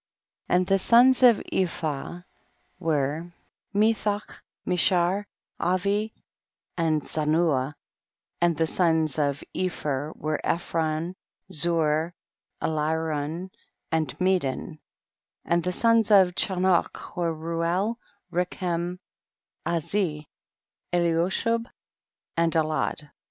And the sons of Ephah were Methach, Meshar, Avi and Tzanua, and the sons of Epher were Ephron, Zur, Alirun and Mcdin, and the sons of Chanoch were Rcuel, Rckem, Azi, Alyosliub and Alad.